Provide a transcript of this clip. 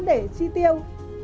để chi tiêu